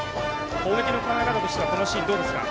攻撃の考え方としてはこのシーン、どうですか？